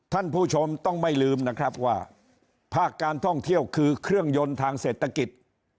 ท่านผู้ชมต้องไม่ลืมนะครับว่าภาคการท่องเที่ยวคือเครื่องยนต์ทางเศรษฐกิจ